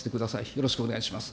よろしくお願いします。